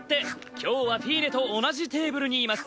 今日はフィーネと同じテーブルにいます。